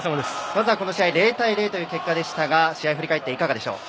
まずは、この試合０対０という結果でしたが試合を振り返っていかがでしょう。